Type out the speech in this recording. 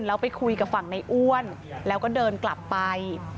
แล้วไปคุยกับฝั่งในอ้วนแล้วก็เดินกลับไป